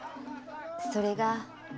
それが。